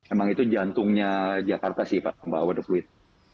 emang itu jantungnya jakarta sih pak waduk pluit